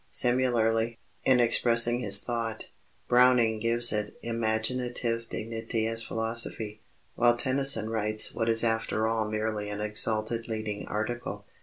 Similarly, in expressing his thought, Browning gives it imaginative dignity as philosophy, while Tennyson writes what is after all merely an exalted leading article.